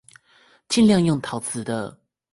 盡量用陶瓷的